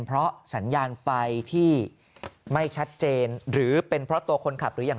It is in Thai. เพราะสัญญาณไฟที่ไม่ชัดเจนหรือเป็นเพราะตัวคนขับหรืออย่าง